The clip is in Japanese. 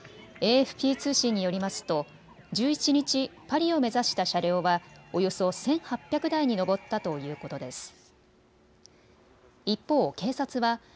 ＡＦＰ通信によりますと１１日、パリを目指した車両はおよそ１８００台に上ったということです。